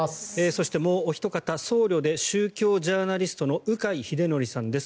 そしてもうおひと方僧侶で宗教ジャーナリストの鵜飼秀徳さんです。